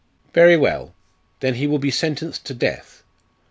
"Very well; then he will be sentenced to death.